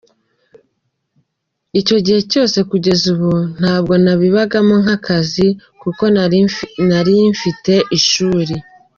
icyo gihe cyose kugera ubu ntabwo nabibagamo nk’akazi kuko nari mfite ishuri.